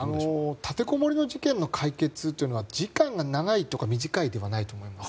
立てこもり事件の解決は時間が長いとか短いではないと思います。